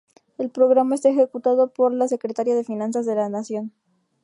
El Programa está ejecutado por la Secretaría de Finanzas de la Nación.